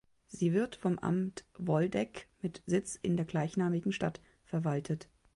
Sie wird vom Amt Woldegk mit Sitz in der gleichnamigen Stadt verwaltet.